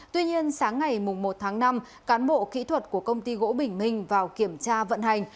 tuy nhiên sáng ngày một tháng năm cán bộ kỹ thuật của công ty gỗ bình minh vào kiểm tra vận hành